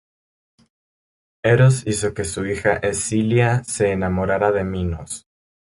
Eros hizo que su hija Escila se enamorara de Minos.